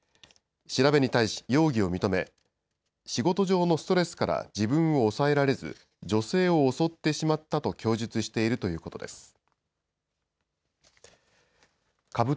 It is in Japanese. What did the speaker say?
調べに対し、容疑を認め、仕事上のストレスから自分を抑えられず、女性を襲ってしまったと供述しているということです。